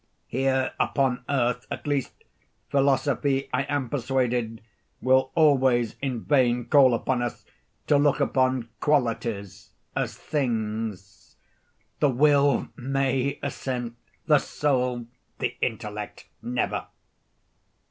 Here upon earth, at least, philosophy, I am persuaded, will always in vain call upon us to look upon qualities as things. The will may assent—the soul—the intellect, never.